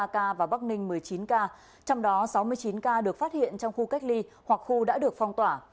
ba ca và bắc ninh một mươi chín ca trong đó sáu mươi chín ca được phát hiện trong khu cách ly hoặc khu đã được phong tỏa